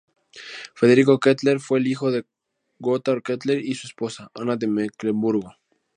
Federico Kettler fue el hijo de Gotthard Kettler y su esposa, Ana de Mecklemburgo.